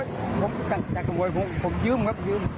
ผมไม่ได้ตั้งใจขโมยผมยืมครับยืม